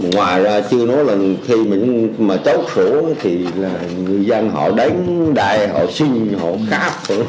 ngoài ra chưa nói là khi mình mà cháu sổ thì là người dân họ đánh đài họ xin họ khát